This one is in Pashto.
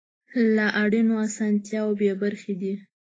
له اړینو اسانتیاوو بې برخې دي.